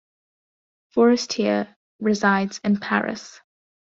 Forestier resides in Paris.